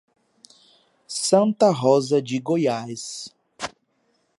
Santa Rosa de Goiás